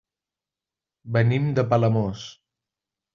Venim de Palamós.